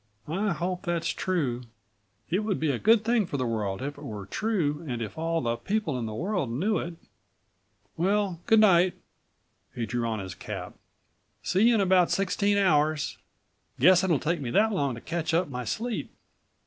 "I hope that's true. It would be a good thing for the world if it were true and if all the people in the world knew it. "Well, good night." He drew on his cap. "See you in about sixteen hours. Guess it'll take me that long to catch up my sleep.